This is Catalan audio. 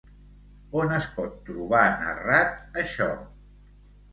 On es pot trobar narrat això?